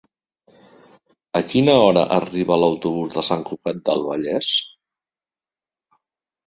A quina hora arriba l'autobús de Sant Cugat del Vallès?